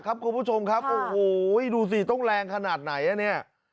คุณผู้ชมครับโอ้โหดูสิต้องแรงขนาดไหนอ่ะเนี่ย